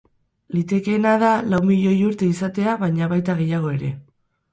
Litekeena da lau milioi urte izatea baina baita gehiago ere.